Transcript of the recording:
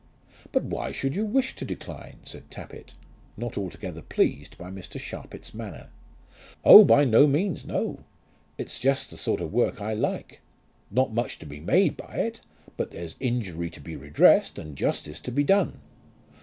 "But why should you wish to decline?" said Tappitt, not altogether pleased by Mr. Sharpit's manner. "Oh, by no means; no. It's just the sort of work I like; not much to be made by it, but there's injury to be redressed and justice to be done.